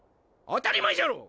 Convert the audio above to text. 当たり前じゃろう！